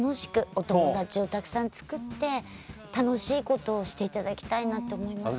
お友達をたくさん作って、楽しいことをしていただきたいなって思います。